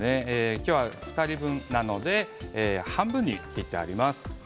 今日は２人分なので半分に切ってあります。